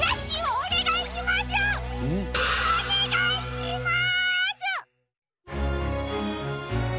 おねがいします！